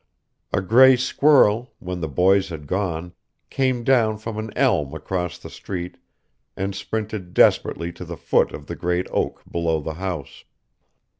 A gray squirrel, when the boys had gone, came down from an elm across the street and sprinted desperately to the foot of the great oak below the house.